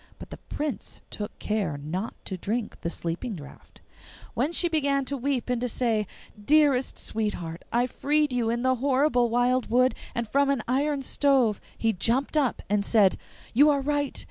But the Prince took care not to drink the sleeping draught. When she began to weep and to say, 'Dearest sweetheart, I freed you in the horrible wild wood, and from an iron stove,' he jumped up and said, 'You are right.